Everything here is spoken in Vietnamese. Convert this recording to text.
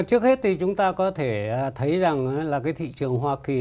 trước hết thì chúng ta có thể thấy rằng là cái thị trường hoa kỳ